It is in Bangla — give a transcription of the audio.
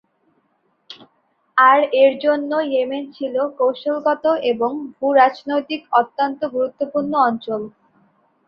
আর এর জন্য ইয়েমেন ছিল কৌশলগত এবং ভূ-রাজনৈতিক অত্যন্ত গুরুত্বপূর্ণ অঞ্চল।